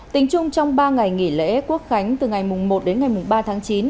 tính chung trong ba ngày nghỉ lễ quốc khánh từ ngày một đến ngày ba tháng chín